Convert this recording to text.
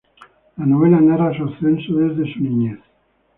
La novela narra su ascenso desde su niñez.